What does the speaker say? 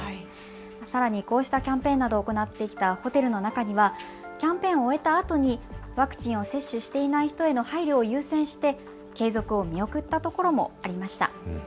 さらに、こうしたキャンペーンなどを行っていたホテルの中にはキャンペーンを終えたあとにワクチンを接種していない人への配慮を優先して継続を見送ったところもありました。